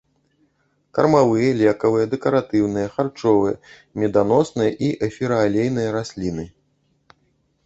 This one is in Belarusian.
Кармавыя, лекавыя, дэкаратыўныя, харчовыя, меданосныя і эфіраалейныя расліны.